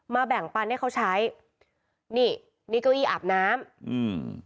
แบ่งปันให้เขาใช้นี่นี่เก้าอี้อาบน้ำอืม